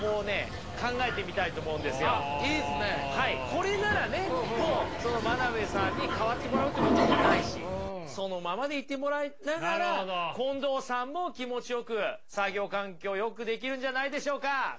これならねもう真鍋さんに変わってもらうってこともないしそのままでいてもらいながら近藤さんも気持ちよく作業環境をよくできるんじゃないでしょうか。